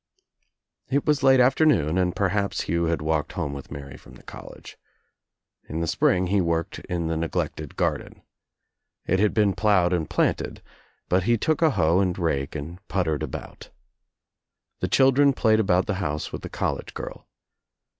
It was late afternoon and perhaps Hugh had walked home with Mary from the college. In the spring he worked in the neglected garden. It had been plowed and planted, but he took a hoe and rake and puttered about. The children played about the house with the college girl.